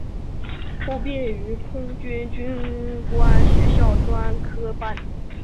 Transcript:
后毕业于空军军官学校专科班。